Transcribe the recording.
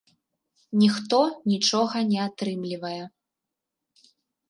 Ніхто нічога не атрымлівае.